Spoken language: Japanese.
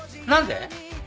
何で？